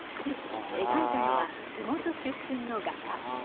描いたのは地元出身の画家。